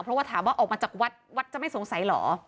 เพราะว่าถามว่าออกมาจากวัดวัดจะไม่สงสัยเหรอ